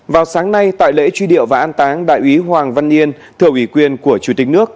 vào sáng nay tại lễ truy điệu và an táng đại úy hoàng văn yên thờ ủy quyền của chủ tịch nước